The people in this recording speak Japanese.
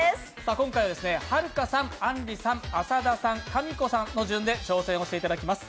今回は、はるかさん、あんりさん、浅田さん、かみこさんの順番で、挑戦をしていただきます。